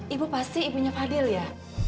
ibu pasti ibunya fadil ya